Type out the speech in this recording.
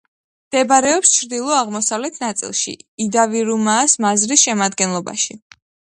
მდებარეობს ჩრდილო-აღმოსავლეთ ნაწილში, იდა-ვირუმაას მაზრის შემადგენლობაში.